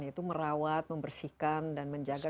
yaitu merawat membersihkan dan menjaga